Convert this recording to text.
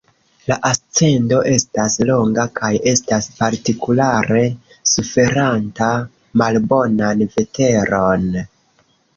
La ascendo estas longa kaj estas partikulare suferanta malbonan veteron.